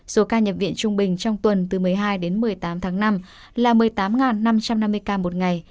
số ca nhập viện trung bình trong tuần từ một mươi hai đến một mươi tám tháng năm là một mươi tám năm trăm năm mươi ca một ngày